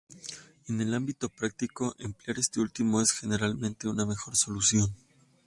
En el ámbito práctico, emplear este último es generalmente una mejor solución.